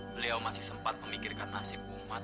beliau masih sempat memikirkan nasib umat